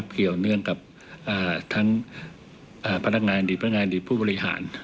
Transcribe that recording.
เกี่ยวเนื่องกับทั้งพนักงานอดีตพนักงานอดีตผู้บริหาร